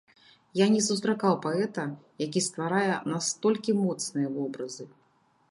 Я не сустракаў паэта, які стварае настолькі моцныя вобразы.